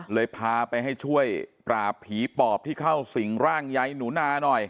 เลยพาไปให้ช่วยปราบผีปอบที่เข้าสิ่งร่างยายหนูนาหน่อย